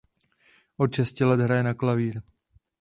Od šesti let hraje na klavír.